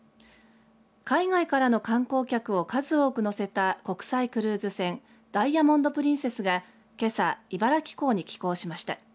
海外からの観光客を数多く乗せた、国際クルーズ船ダイヤモンド・プリンセスがけさ、茨城港に寄港しました。